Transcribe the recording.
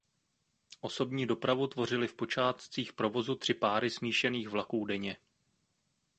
Osobní dopravu tvořily v počátcích provozu tři páry smíšených vlaků denně.